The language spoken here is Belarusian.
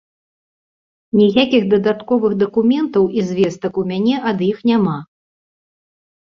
Ніякіх дадатковых дакументаў і звестак у мяне ад іх няма.